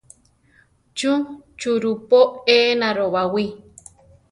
Chú churupo enaro baʼwí?